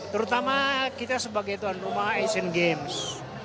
terutama kita sebagai tuan rumah asian games